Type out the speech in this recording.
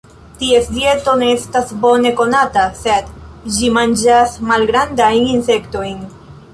Ties dieto ne estas bone konata, sed ĝi manĝas malgrandajn insektojn.